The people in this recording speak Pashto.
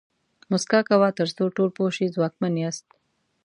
موسکا کوه تر څو ټول پوه شي ځواکمن یاست.